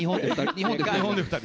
日本で２人。